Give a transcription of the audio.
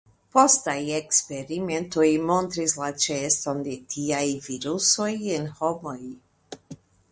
Postaj eksperimentoj montris la ĉeeston de tiaj virusoj en homoj.